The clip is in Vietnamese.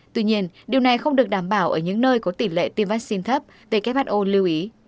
tuy nhiên điều này không được đảm bảo ở những nơi có tỷ lệ tiêm vaccine thấp lưu ý